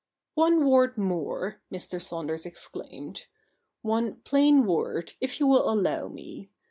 ' One word more,' Mr. Saunders exclaimed, ' one plain word, if you will allow me.